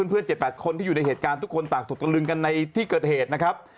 ๗๘คนที่อยู่ในเหตุการณ์ทุกคนต่างถูกตะลึงกันในที่เกิดเหตุนะครับ